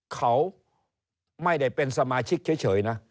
เขาไม่ได้เป็นสมาชิกเฉยนะ